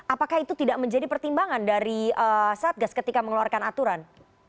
apakah itu tidak menjadi pertimbangan dari satgas ketika mengeluarkan aturan